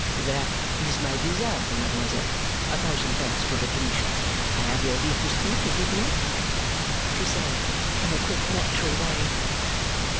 "That is my desire, mademoiselle. A thousand thanks for the permission. I have your leave to speak. Is it not?" she said in a quick, natural way.